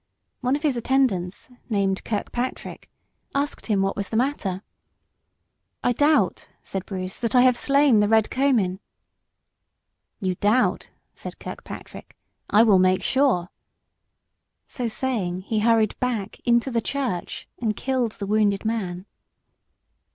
One of his attendants, named Kirkpatrick, asked him what was the matter. "I doubt," said Bruce, "that I have slain the Red Comyn." "You doubt!" said Kirkpatrick. "I will make sure." So saying, he hurried back into the church and killed the wounded man.